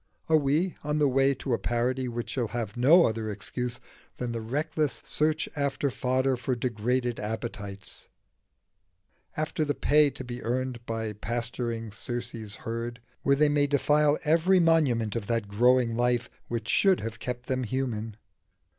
Are we on the way to a parody which shall have no other excuse than the reckless search after fodder for degraded appetites after the pay to be earned by pasturing Circe's herd where they may defile every monument of that growing life which should have kept them human?